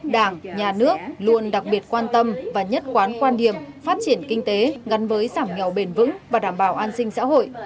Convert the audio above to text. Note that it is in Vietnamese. đảng nhà nước luôn đặc biệt quan tâm và nhất quán quan điểm phát triển kinh tế gắn với giảm nghèo bền vững và đảm bảo an sinh xã hội